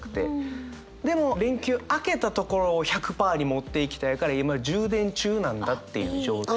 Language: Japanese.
でも連休明けたところを１００％に持っていきたいから今充電中なんだっていう状態。